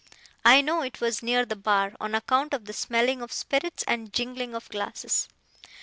I know it was near the bar, on account of the smell of spirits and jingling of glasses.